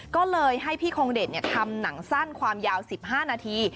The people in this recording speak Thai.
ก็เลยให้พี่คงเดชทำหนังสั้นความยาว๑๕นาที